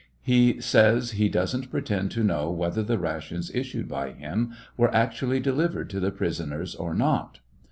He says he doesn't pretend to know whether the rations issued by him were actually delivered to the prisoners or not.